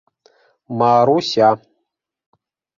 Маруся: